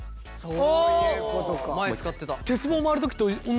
前使ってた。